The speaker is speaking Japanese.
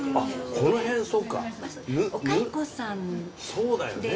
そうだよね。